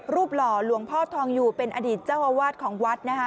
หล่อหลวงพ่อทองอยู่เป็นอดีตเจ้าอาวาสของวัดนะคะ